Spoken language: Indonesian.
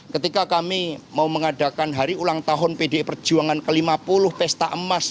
ketika kami mau mengadakan hari ulang tahun pdi perjuangan ke lima puluh pesta emas